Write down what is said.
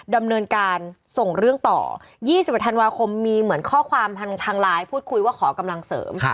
ดำเนินการส่งเรื่องต่อ๒๑ธันวาคมมีเหมือนข้อความทางไลน์พูดคุยว่าขอกำลังเสริม